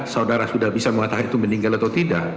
saudara sudah bisa mengatakan itu meninggal atau tidak